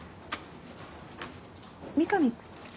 三上？